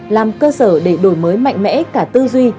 làm cơ sở để đổi mới mạnh mẽ cả tư duy